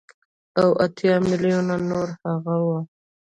او اتيا ميليونه نور هغه وو.